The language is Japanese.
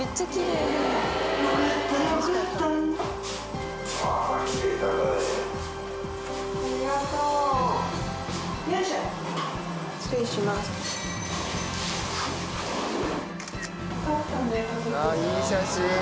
いい写真。